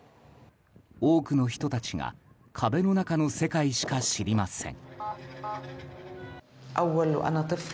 多くの人たちが壁の中の世界しか知りません。